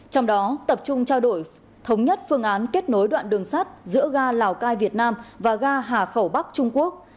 trong đó tập trung trao đổi thống nhất phương án kết nối đoạn đường sắt giữa ga lào cai việt nam và ga hà khẩu bắc trung quốc